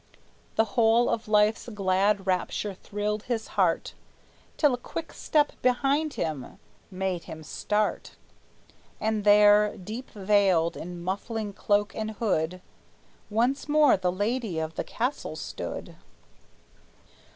The whole of life's glad rapture thrilled his heart; Till a quick step behind him made him start, And there, deep veiled, in muffling cloak and hood, Once more the lady of the castle stood.